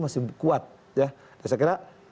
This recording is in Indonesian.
masih kuat ya saya kira